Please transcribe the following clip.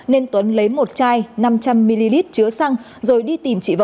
nên tuấn lấy một chai năm trăm linh ml chứa xăng rồi đi tìm chị vợ